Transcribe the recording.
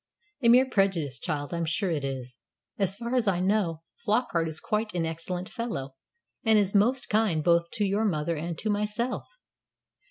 "A mere prejudice, child; I'm sure it is. As far as I know, Flockart is quite an excellent fellow, and is most kind both to your mother and to myself."